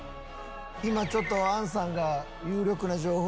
今ちょっとアンさんが有力な情報を。